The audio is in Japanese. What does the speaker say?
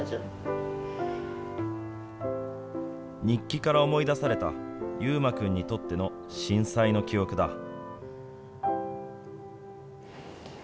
日記から思い出された、佑馬君にとっての震災の記憶だ。